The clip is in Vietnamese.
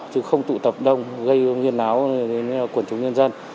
chứ không tụ tập đông gây nguyên áo quần chúng nhân dân